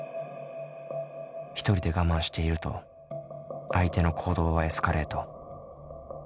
１人で我慢していると相手の行動はエスカレート。